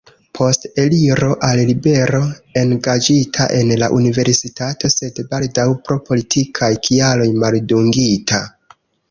Post eliro al libero engaĝita en la Universitato, sed baldaŭ pro politikaj kialoj maldungita.